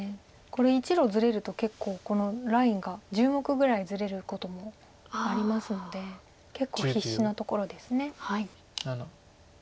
これ１路ずれると結構このラインが１０目ぐらいずれることもありますので結構必死なところです。